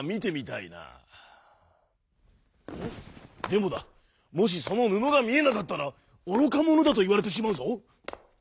でもだもしそのぬのがみえなかったらおろかものだといわれてしまうぞ。